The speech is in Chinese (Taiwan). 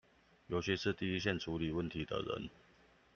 尤其是第一線處理問題的人